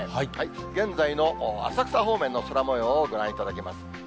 現在の浅草方面の空もようをご覧いただきます。